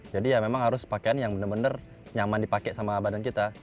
jadi ya memang harus pakaian yang benar benar nyaman dipakai sama badan kita